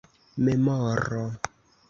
memoro